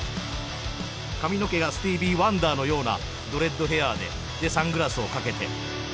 髪の毛がスティービー・ワンダーのようなドレッドヘアででサングラスをかけて。